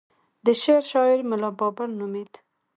د شعر شاعر ملا بابړ نومېد.